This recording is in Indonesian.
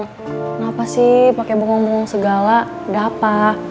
kenapa sih pakai bengong bengong segala gak apa